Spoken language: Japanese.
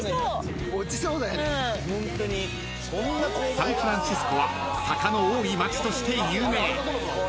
［サンフランシスコは坂の多い街として有名］